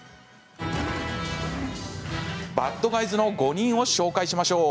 バッドガイズの５人を紹介しましょう。